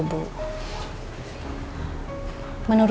saya bermaksud jejjafrl